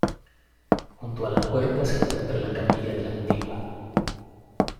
Junto a la puerta se encuentra la capilla de la Antigua.